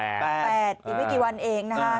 อีกไม่กี่วันเองนะคะ